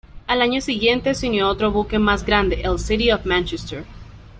Al año siguiente, se unió otro buque más grande, el "City of Manchester".